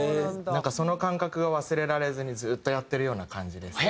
なんかその感覚が忘れられずにずっとやってるような感じですね。